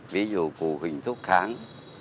ví dụ cụ huỳnh thúc kháng